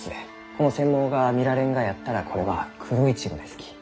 この腺毛が見られんがやったらこれはクロイチゴですき。